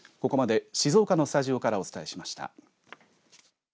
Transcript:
ここまで静岡のスタジオからお伝えしました。